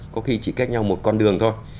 có khi chỉ cách nhau một con đường thôi